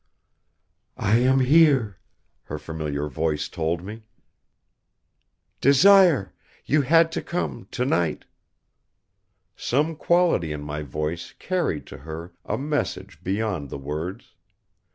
"I am here," her familiar voice told me. "Desire, you had to come, tonight." Some quality in my voice carried to her a message beyond the words.